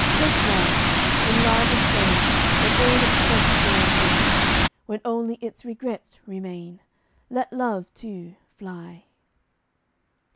take love! When love is vain, When all its best joys die When only its regrets remain Let love, too, fly.